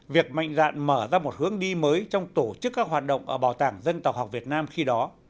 việc mạnh dạn mở ra một hướng đi mới trong tổ chức các hoạt động ở bảo tàng dân tộc học việt nam khi đó